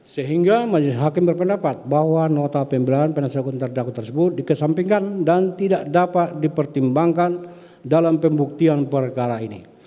sehingga majelis hakim berpendapat bahwa nota pembelahan penasihat hukum terdakwa tersebut dikesampingkan dan tidak dapat dipertimbangkan dalam pembuktian perkara ini